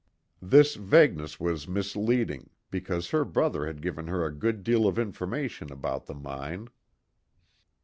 This vagueness was misleading, because her brother had given her a good deal of information about the mine.